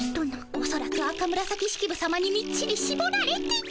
おそらく赤紫式部さまにみっちりしぼられて。